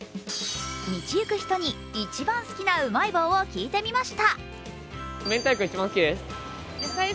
道行く人に一番好きなうまい棒を聞いてみました。